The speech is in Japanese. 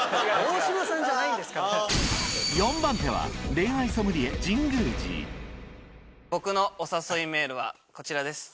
恋愛ソムリエ僕のお誘いメールはこちらです。